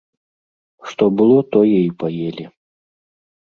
Што было, тое і паелі.